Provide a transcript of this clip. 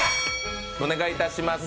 お願いいたします。